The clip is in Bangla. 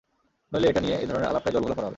নইলে এটা নিয়ে এধরণের আলাপটাই জলঘোলা করা হবে।